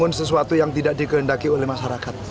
kita harus membangun sesuatu yang tidak dikehendaki oleh masyarakat